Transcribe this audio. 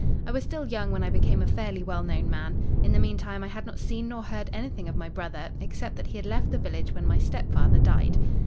I was still young when I became a fairly well known man. In the meantime I had not seen nor heard anything of my brother except that he had left the village when my stepfather died.